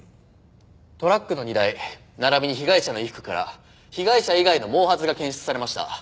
トラックの荷台並びに被害者の衣服から被害者以外の毛髪が検出されました。